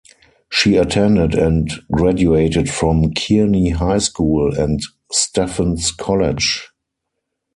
She attended and graduated from Kearney High School and Stephens College.